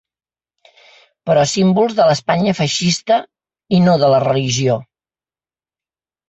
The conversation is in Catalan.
Però símbols de l’Espanya feixista, i no de la religió.